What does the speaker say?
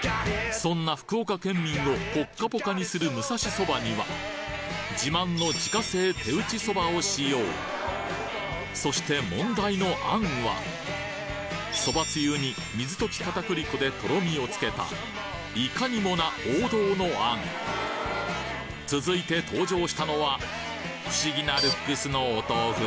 そんな福岡県民をポッカポカにする武蔵そばには自慢の自家製手打ちそばを使用そして問題の餡はそばつゆに水溶き片栗粉でとろみをつけたいかにもな王道の餡続いて登場したのは不思議なルックスのお豆腐